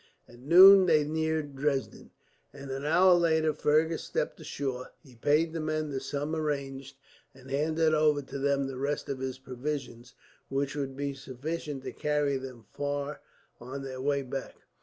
At noon they neared Dresden, and an hour later Fergus stepped ashore. He paid the men the sum arranged, and handed over to them the rest of his provisions, which would be sufficient to carry them far on their way back.